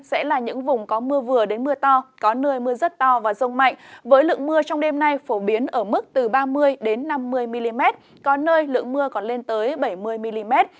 sẽ là những vùng có mưa vừa đến mưa to có nơi mưa rất to và rông mạnh với lượng mưa trong đêm nay phổ biến ở mức từ ba mươi năm mươi mm có nơi lượng mưa còn lên tới bảy mươi mm